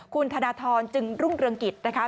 คุณธนทรจึงรุ่งเรืองกิจนะคะ